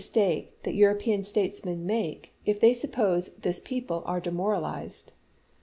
take that European statesmen make, if they suppose this people are demoralized.